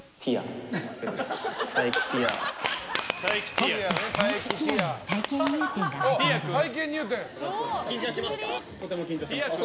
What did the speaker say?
ホスト・佐伯涙の体験入店が始まります。